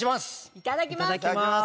いただきます。